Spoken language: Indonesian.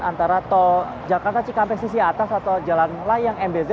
antara tol jakarta cikampek sisi atas atau jalan layang mbz